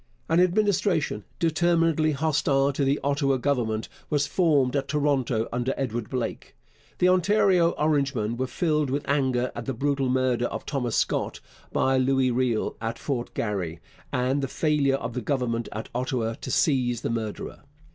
An Administration, determinedly hostile to the Ottawa Government, was formed at Toronto under Edward Blake. The Ontario Orangemen were filled with anger at the brutal murder of Thomas Scott by Louis Riel at Fort Garry and the failure of the Government at Ottawa to seize the murderer.